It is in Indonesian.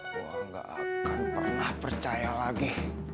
saya tidak akan pernah percaya lagi